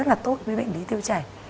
rất là tốt với bệnh lý tiêu chảy